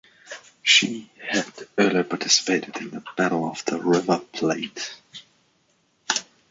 She had earlier participated in the Battle of the River Plate.